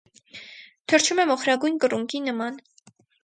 Թռչում է մոխրագույն կռունկի նման։